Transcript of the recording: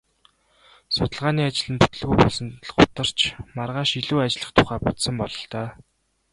Судалгааны ажил нь бүтэлгүй болсонд л гутарч маргааш илүү ажиллах тухай бодсон бололтой.